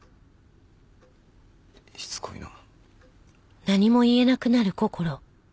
しつこいな。